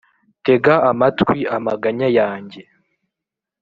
Tega amatwi amaganya yanjye,